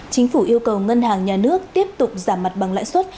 chính phủ yêu cầu ngân hàng nhà nước tiếp tục giảm mặt bằng lãi suất